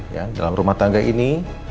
ya dalam rumah tangga ini